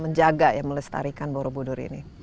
menjaga ya melestarikan borobudur ini